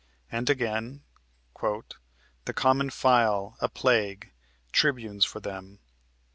And again: "The common file, a plague! Tribunes for them!"